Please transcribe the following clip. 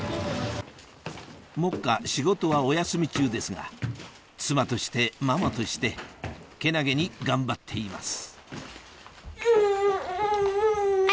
目下仕事はお休み中ですが妻としてママとしてけなげに頑張っています